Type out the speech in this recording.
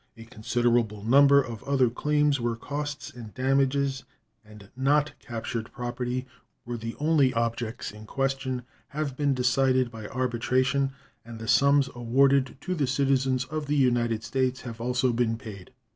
A considerable number of other claims, where costs and damages, and not captured property, were the only objects in question, have been decided by arbitration, and the sums awarded to the citizens of the United States have also been paid.